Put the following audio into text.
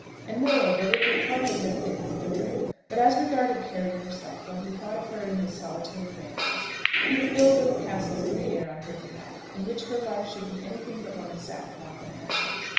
And, moreover, it would hardly have fitted the Vicar. But, as regarded Carry herself, when he thought of her in his solitary rambles, he would build little castles in the air on her behalf, in which her life should be anything but one of sackcloth and ashes.